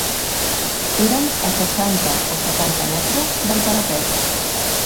Érem a seixanta o setanta metres del parapet